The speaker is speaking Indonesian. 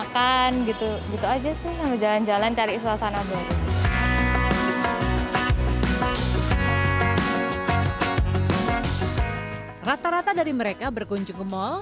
makan gitu gitu aja sih jalan jalan cari suasana baru rata rata dari mereka berkunjung kemol